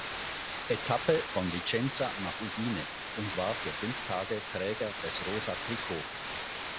Etappe von Vicenza nach Udine und war für fünf Tage Träger des Rosa Trikot.